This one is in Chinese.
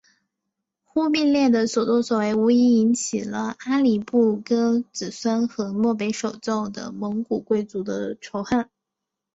忽必烈的所做所为无疑引起了阿里不哥子孙和漠北守旧的蒙古贵族的仇恨。